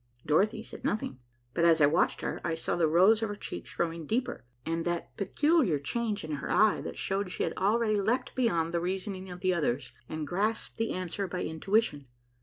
Dorothy said nothing, but as I watched her, I saw the rose of her cheeks growing deeper, and that peculiar change in her eye that showed she had already leaped beyond the reasoning of the others and grasped the answer by intuition.